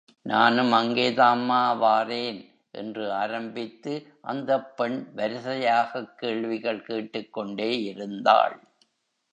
நானும் அங்கேதாம்மா வாரேன்! என்று ஆரம்பித்து, அந்தப் பெண் வரிசையாகக் கேள்விகள் கேட்டுக் கொண்டே இருந்தாள்.